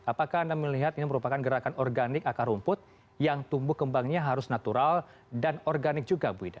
apakah anda melihat ini merupakan gerakan organik akar rumput yang tumbuh kembangnya harus natural dan organik juga bu ida